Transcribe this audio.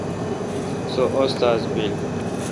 سو استاد بیل۔